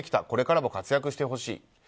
これからも活躍してほしい。